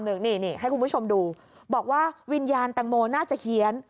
นี่ให้คุณผู้ชมดูบอกว่าวิญญาณแตงโมน่าจะเฮียน